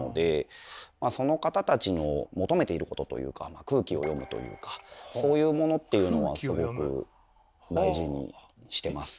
まあその方たちの求めていることというか空気を読むというかそういうものっていうのはすごく大事にしてます。